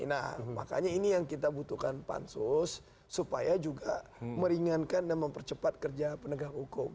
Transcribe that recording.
nah makanya ini yang kita butuhkan pansus supaya juga meringankan dan mempercepat kerja penegak hukum